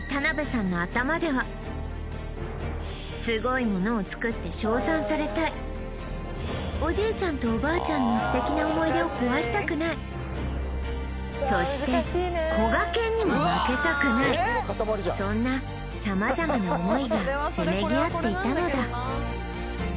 すごいものを作って賞賛されたいおじいちゃんとおばあちゃんの素敵な思い出を壊したくないそしてこがけんにも負けたくないそんな様々な思いがせめぎ合っていたのだ